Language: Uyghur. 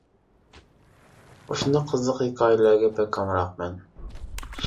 مۇشۇنداق قىزىق ھېكايىلەرگە بەك ئامراق مەن.